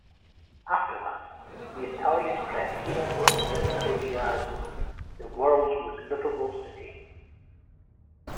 After that, the Italian press reported on Todi as "the world's most livable city".